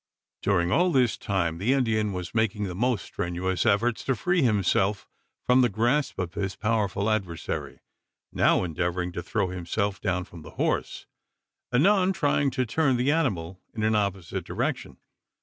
During all this time, the Indian was making the most strenuous efforts to free himself from the grasp of his powerful adversary now endeavouring to throw himself down from the horse, anon trying to turn the animal in an opposite direction.